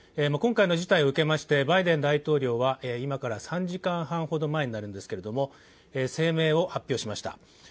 今回の事態を受けましてバイデン大統領は今から３時間半ほど前になるんですけども声明を発表しました。